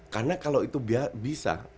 karena kalau itu bisa